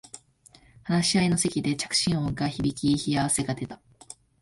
話し合いの席で着信音が響き冷や汗が出た